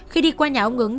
khi đi qua nhà ông ứng